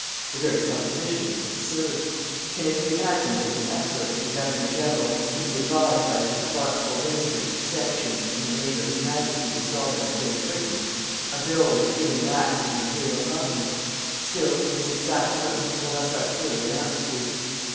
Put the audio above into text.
The very supposition is absurd. Can it be imagined that His Excellency the Governor General could be advised by his responsible Ministers to sanction, in the name of His Majesty the Sovereign of Great Britain, a bill repealing an Act of the Imperial Parliament? Still it is exactly what Mr. Bourassa's theory amounts to.